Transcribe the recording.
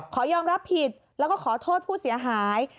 ขอยอมรับผิดแล้วก็ขอโทษผู้เสียหาย